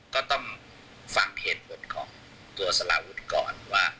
ก็ต้องฟังเหตุผลของตัวสลาวุฒิก่อนว่า